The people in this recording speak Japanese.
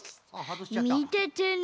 みててね！